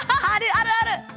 あるある！